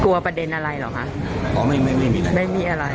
กลัวประเด็นอะไรเหรอฮะเขาไม่ไม่มีอะไรไม่มีอะไร